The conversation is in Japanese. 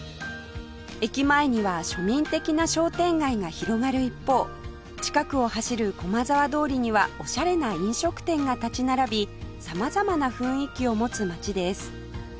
駅前には庶民的な商店街が広がる一方近くを走る駒沢通りにはオシャレな飲食店が立ち並び様々な雰囲気を持つ街です